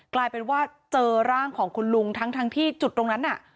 กลายเป็นว่าเจอร่างของคุณลุงทั้งที่จุดตรงนั้นน่ะ